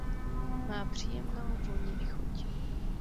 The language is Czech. Má příjemnou vůni i chuť.